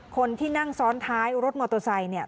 คนที่นั่งซ้อนท้ายรถมอเตอร์ไซค์เนี่ย